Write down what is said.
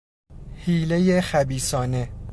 حیلهی خبیثانه